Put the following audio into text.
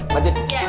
majin aduk aduk ya